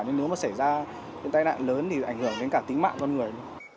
nhưng nếu mà xảy ra cái tai nạn lớn thì ảnh hưởng đến cả tính mạng con người